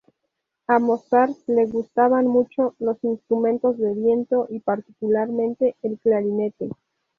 A Mozart le gustaban mucho los instrumentos de viento, y particularmente el clarinete.